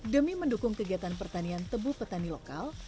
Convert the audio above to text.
demi mendukung kegiatan pertanian tebu petani lokal